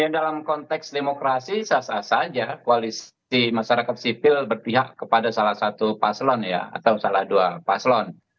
dalam konteks demokrasi sah sah saja koalisi masyarakat sipil berpihak kepada salah satu paslon ya atau salah dua paslon